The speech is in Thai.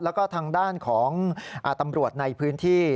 แล้วก็ทางด้านของตำรวจในพื้นที่